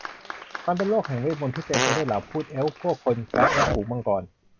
มันเป็นโลกแห่งเวทมนตร์ที่เต็มไปด้วยเหล่าภูตเอลฟ์ พวกคนแคระและฝูงมังกร